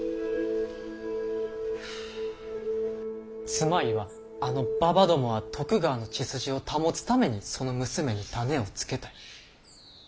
つまりはあのババどもは徳川の血筋を保つためにその娘に種をつけたい。